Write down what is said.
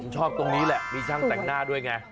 ชอบตรงนี้แหละมีช่างแต่งหน้าด้วยไง